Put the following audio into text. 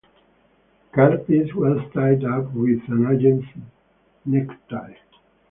Karpis was tied up with an agent's necktie.